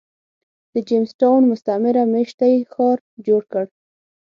د جېمز ټاون مستعمره مېشتی ښار جوړ کړ.